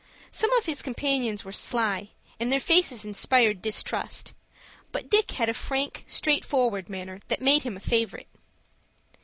Some of his companions were sly, and their faces inspired distrust; but Dick had a frank, straight forward manner that made him a favorite.